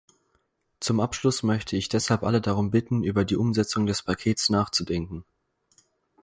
Zum Abschluss möchte ich deshalb alle darum bitten, über die Umsetzung des Pakets nachzudenken.